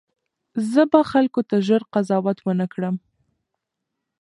زه به خلکو ته ژر قضاوت ونه کړم.